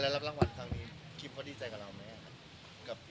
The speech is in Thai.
แล้วรางวัลทางนี้คลิปเขาดีใจกับเราไหมครับ